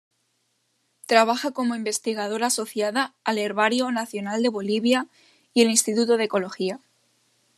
Trabaja como investigadora asociada al Herbario Nacional de Bolivia y el Instituto de Ecología.